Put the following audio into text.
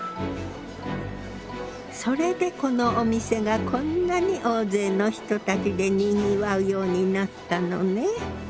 それでこのお店がこんなに大勢の人たちでにぎわうようになったのね。